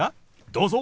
どうぞ。